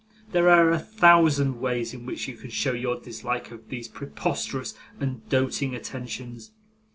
There are a thousand ways in which you can show your dislike of these preposterous and doting attentions.